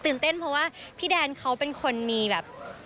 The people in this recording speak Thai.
เต้นเพราะว่าพี่แดนเขาเป็นคนมีแบบ